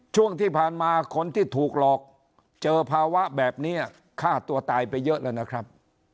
ช่วงที่ผ่านมาคนที่ถูกหลอกเจอภาวะแบบนี้ฆ่าตัวตายไปเยอะแล้วนะครับ